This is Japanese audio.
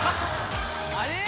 あれ？